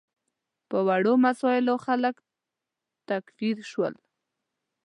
په وړو مسایلو خلک تکفیر شول.